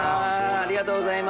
ありがとうございます！